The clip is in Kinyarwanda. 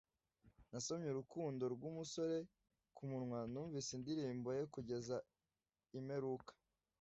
nasomye urukundo rwumusore kumunwa, numvise indirimbo ye kugeza imperuka,